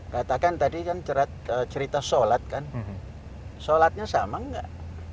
katakan tadi kan cerita sholat kan sholatnya sama nggak